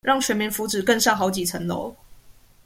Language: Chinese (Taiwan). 讓全民福祉更上好幾層樓